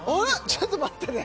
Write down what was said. ちょっと待ってね